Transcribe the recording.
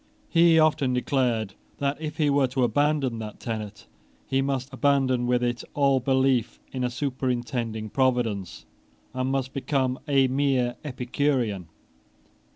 He often declared that, if he were to abandon that tenet, he must abandon with it all belief in a superintending Providence, and must become a mere Epicurean.